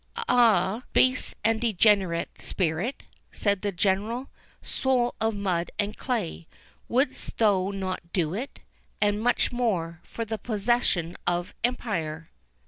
"Ah, base and degenerate spirit!" said the General; "soul of mud and clay, wouldst thou not do it, and much more, for the possession of empire!